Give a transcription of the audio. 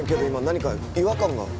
今何か違和感が。